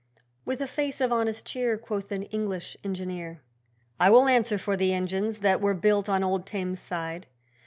With a face of honest cheer, Quoth an English engineer, 'I will answer for the engines that were built on old Thames side!